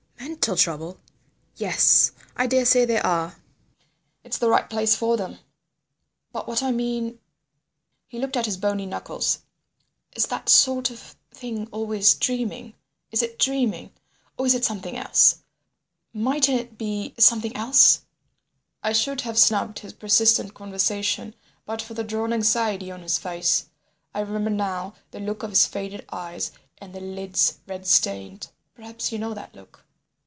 "Mental trouble! Yes. I daresay there are. It's the right place for them. But what I mean—" He looked at his bony knuckles. "Is that sort of thing always dreaming? Is it dreaming? Or is it something else? Mightn't it be something else?" I should have snubbed his persistent conversation but for the drawn anxiety of his face. I remember now the look of his faded eyes and the lids red stained—perhaps you know that look.